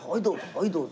はいどうぞ。